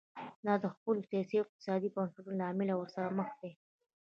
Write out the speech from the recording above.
دا د خپلو سیاسي او اقتصادي بنسټونو له امله ورسره مخ دي.